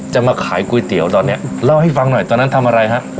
มาขายก๋วยเตี๋ยวตอนนี้เล่าให้ฟังหน่อยตอนนั้นทำอะไรฮะ